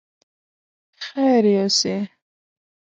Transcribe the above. خير يوسې!